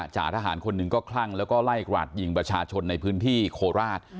จ่าทหารคนหนึ่งก็คลั่งแล้วก็ไล่กราดยิงประชาชนในพื้นที่โคราช